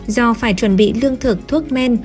do phải chuẩn bị lương thực thuốc men